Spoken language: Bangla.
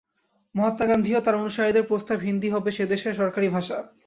মহাত্মা গান্ধী ও তাঁর অনুসারীদের প্রস্তাব হিন্দি হবে সে দেশে সরকারি ভাষা।